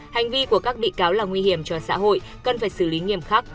hành vi của các bị cáo là nguy hiểm cho xã hội cần phải xử lý nghiêm khắc